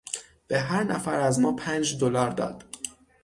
به هر نفر از ما پنج دلار داد.